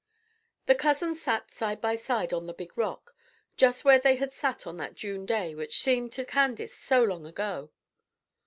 The cousins sat side by side on the big rock, just where they had sat on that June day which seemed to Candace so long ago.